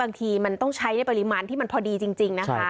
บางทีมันต้องใช้ในปริมาณที่มันพอดีจริงนะคะ